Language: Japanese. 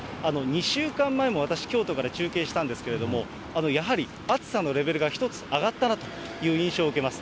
２週間前も、私、京都から中継したんですけれども、やはり暑さのレベルが一つ上がったなという印象を受けます。